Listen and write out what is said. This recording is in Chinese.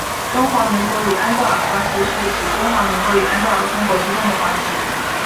中华民国与安道尔关系是指中华民国与安道尔公国之间的关系。